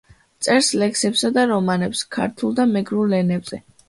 წერს ლექსებსა და რომანებს ქართულ და მეგრულ ენებზე.